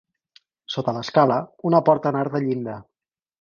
Sota l'escala, una porta en arc de llinda.